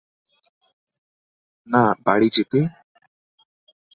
না, বাড়ি যেতে!